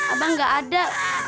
abang gak ada